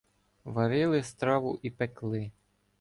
Варили страву і пекли.